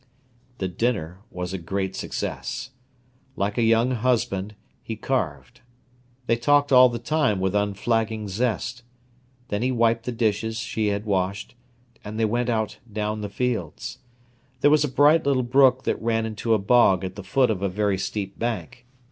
The dinner was a great success. Like a young husband, he carved. They talked all the time with unflagging zest. Then he wiped the dishes she had washed, and they went out down the fields. There was a bright little brook that ran into a bog at the foot of a very steep bank.